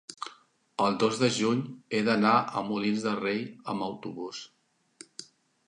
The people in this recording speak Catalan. el dos de juny he d'anar a Molins de Rei amb autobús.